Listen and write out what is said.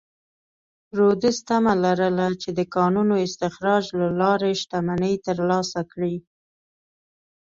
رودز تمه لرله چې د کانونو استخراج له لارې شتمنۍ ترلاسه کړي.